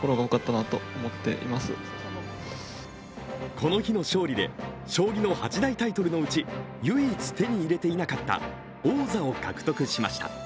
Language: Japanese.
この日の勝利で、将棋の八大タイトルのうち唯一、手に入れていなかった王座を獲得しました。